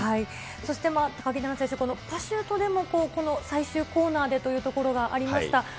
そして、高木選手、パシュートでもこの最終コーナーでというところがありました。